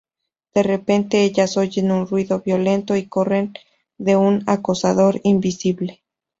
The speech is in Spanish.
De repente, ellas oyen un ruido violento y corren de un acosador invisible.